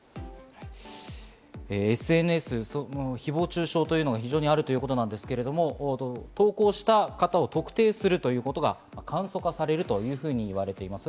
ＳＮＳ、誹謗中傷というのが非常にあるということなんですけれども、投稿した方を特定するということが簡素化されるというふうに言われています。